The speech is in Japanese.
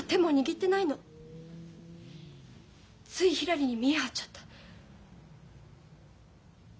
ついひらりに見栄張っちゃった。